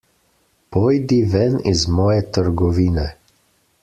Pojdi ven iz moje trgovine.